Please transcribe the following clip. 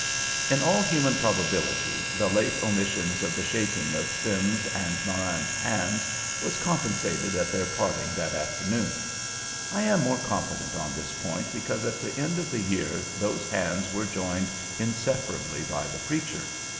In all human probability the late omission of the shaking of Sim's and Marann's hands was compensated at their parting that afternoon. I am more confident on this point because at the end of the year those hands were joined inseparably by the preacher.